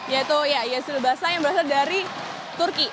yaitu yesil bassa yang berasal dari turki